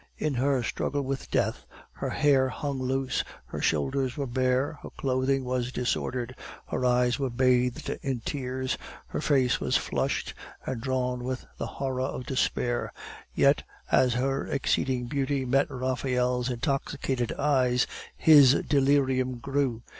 In her struggle with death her hair hung loose, her shoulders were bare, her clothing was disordered, her eyes were bathed in tears, her face was flushed and drawn with the horror of despair; yet as her exceeding beauty met Raphael's intoxicated eyes, his delirium grew.